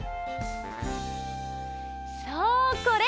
そうこれ。